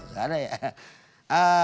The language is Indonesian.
gak ada ya